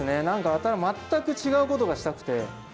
何か全く違うことがしたくて。